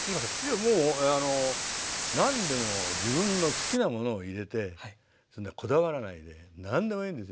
いやもうあの何でも自分の好きなものを入れてこだわらないで何でもいいんですよ。